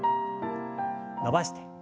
伸ばして。